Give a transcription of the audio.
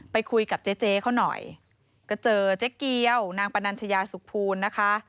ไปคุยกับเจ๊เขาหน่อยก็เจอเจ๊เกียวนางปนัญชยาสุขภูลนะคะ